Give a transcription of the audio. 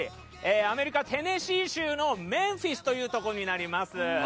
アメリカ・テネシー州のメンフィスというところになります。